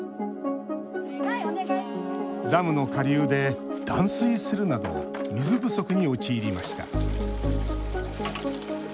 ダムの下流で断水するなど水不足に陥りました。